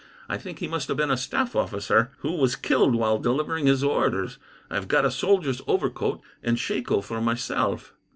I think he must have been a staff officer, who was killed while delivering his orders. I have got a soldier's overcoat and shako for myself."